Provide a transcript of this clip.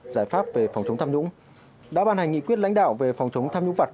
giải pháp về phòng chống tham nhũng đã ban hành nghị quyết lãnh đạo về phòng chống tham nhũng vật